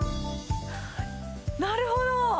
なるほど！